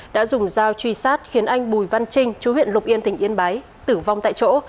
đã dùng dao truy sát khiến anh bùi văn trinh chú huyện lục yên tỉnh yên bái tử vong tại chỗ